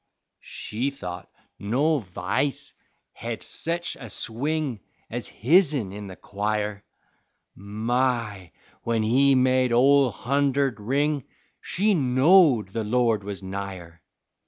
She thought no v'ice hed sech a swing Ez hisn in the choir; My! when he made Ole Hunderd ring, She knowed the Lord was nigher.